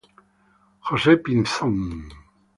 José Pinzón